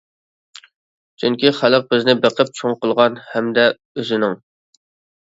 چۈنكى خەلق بىزنى بېقىپ چوڭ قىلغان ھەمدە ئۆزىنىڭ.